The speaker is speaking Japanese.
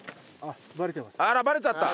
あらバレちゃった！